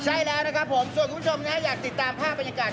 ใช่แล้วนะครับผมส่วนคุณผู้ชมนะฮะอยากติดตามภาพบรรยากาศ